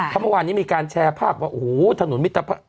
เพราะเมื่อวานนี้มีการแชร์ภาพว่าโอ้โหถนนมิตรภาพ